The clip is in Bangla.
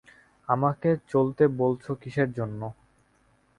আমাকে চলতে বলছ কিসের জন্যে?